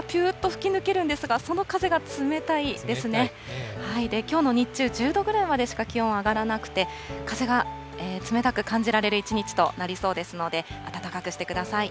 きょうの日中、１０度ぐらいまでしか気温上がらなくて、風が冷たく感じられる一日となりそうですので暖かくしてください。